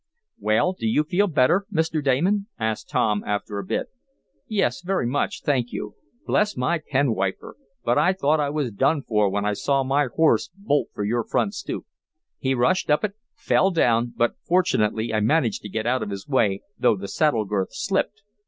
"Well, do you feel better, Mr. Damon?" asked Tom, after a bit. "Yes, very much, thank you. Bless my pen wiper! but I thought I was done for when I saw my horse bolt for your front stoop. He rushed up it, fell down, but, fortunately, I managed to get out of his way, though the saddle girth slipped.